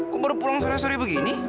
kok baru pulang sore sore begini